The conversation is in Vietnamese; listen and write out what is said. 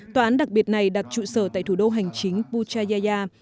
tòa án đặc biệt này đặt trụ sở tại thủ đô hành chính puchaya